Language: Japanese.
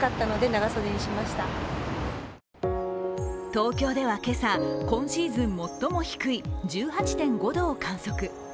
東京では今朝、今シーズン最も低い１８．５度を観測。